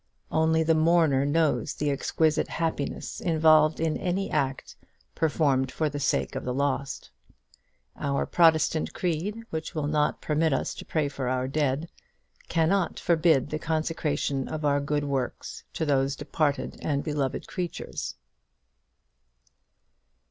Only the mourner knows the exquisite happiness involved in any act performed for the sake of the lost. Our Protestant creed, which will not permit us to pray for our dead, cannot forbid the consecration of our good works to those departed and beloved creatures.